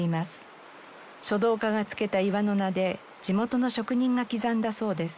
書道家が付けた岩の名で地元の職人が刻んだそうです。